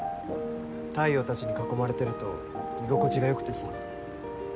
太陽たちに囲まれてると居心地が良くてさ。